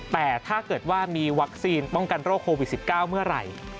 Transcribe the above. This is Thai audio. แต่ถ้าเกิดว่ามีวัคซีนป้องกันโรคโควิด๑๙เมื่อไหร่